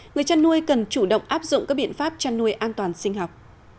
người chăn nuôi cần chủ động áp dụng các biện pháp chăn nuôi an toàn sinh học